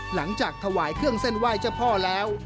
หลังจากถวายเครื่องเส้นไหว้เจ้าพ่อแล้ว